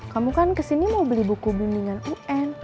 kamu kan kesini mau beli buku bumbingan un